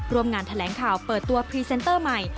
ร่วมงานแถลงข่าวเปิดตัวพรีเซนเตอร์ใหม่